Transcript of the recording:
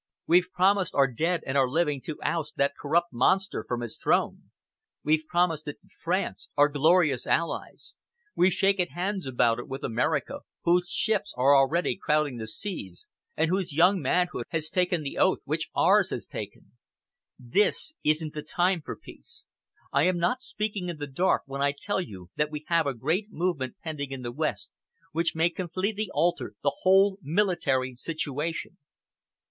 We've promised our dead and our living to oust that corrupt monster from his throne. We've promised it to France our glorious Allies. We've shaken hands about it with America, whose ships are already crowding the seas, and whose young manhood has taken the oath which ours has taken. This isn't the time for peace. I am not speaking in the dark when I tell you that we have a great movement pending in the West which may completely alter the whole military situation.